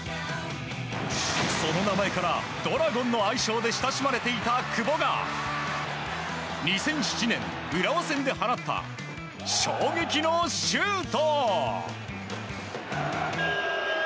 その名前からドラゴンの愛称で親しまれていた久保が２００７年、浦和戦で放った衝撃のシュート。